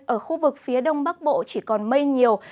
ở khu vực phía đông bắc bộ chỉ còn mây nhiều